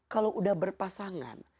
kalau sudah berpasangan